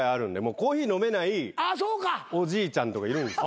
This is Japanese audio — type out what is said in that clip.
コーヒー飲めないおじいちゃんとかいる。